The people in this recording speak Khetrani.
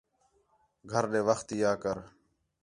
گھر ݙے وَخت تی آ کر